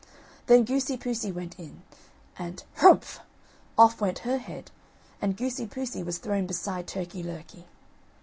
Then Goosey poosey went in, and "Hrumph," off went her head and Goosey poosey was thrown beside Turkey lurkey.